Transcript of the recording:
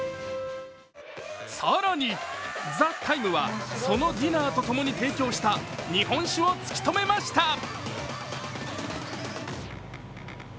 更に、「ＴＨＥＴＩＭＥ，」はそのディナーと共に提供した日本酒を突き止めました。